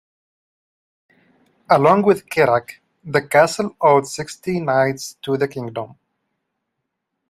Along with Kerak, the castle owed sixty knights to the kingdom.